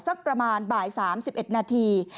สักประมาณบ่าย๓๑นาที